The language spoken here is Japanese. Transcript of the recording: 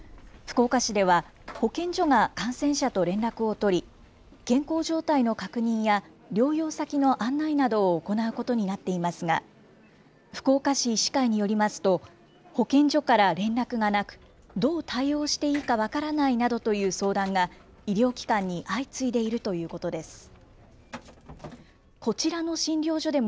福岡市では、保健所が感染者と連絡を取り、健康状態の確認や、療養先の案内などを行うことになっていますが、福岡市医師会によりますと、保健所から連絡がなく、どう対応していいか分からないなどという相談が、医療機関に相次いでいるということです。